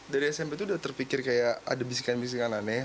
dari smp itu udah terpikir kayak ada bisikan bisikan aneh